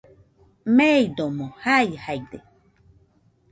meidomo jaijaide.